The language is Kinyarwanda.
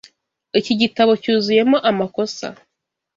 Iki gitabo cyuzuyemo amakosa.